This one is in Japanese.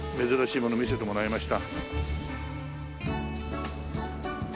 珍しいもの見せてもらいました。